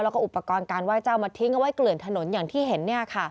แล้วก็อุปกรณ์การไหว้เจ้ามาทิ้งเอาไว้เกลื่อนถนนอย่างที่เห็น